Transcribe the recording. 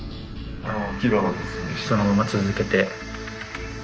そのまま続けて。